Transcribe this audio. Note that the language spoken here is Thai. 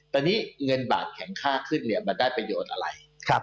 ตอนนี้เงินบาทแข็งค่าขึ้นเนี่ยมันได้ประโยชน์อะไร